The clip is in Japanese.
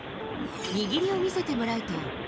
握りを見せてもらうと。